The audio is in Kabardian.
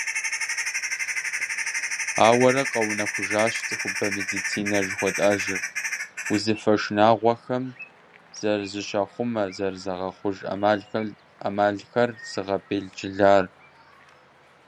Ауэрэ къэунэхуащ цӀыхубэ медицинэ жыхуэтӀэжыр, узыфэ шынагъуэхэм зэрызыщахъумэ, зэрызагъэхъуж Ӏэмалхэр зыгъэбелджылар.